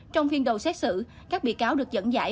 trong phiên đầu xét xử các bị cáo được dẫn giải